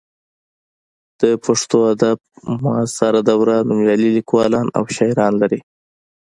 د پښتو ادب معاصره دوره نومیالي لیکوالان او شاعران لري.